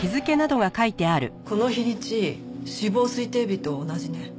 この日にち死亡推定日と同じね。